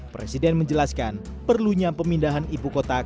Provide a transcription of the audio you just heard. presiden menjelaskan perlunya pemindahan ibu kota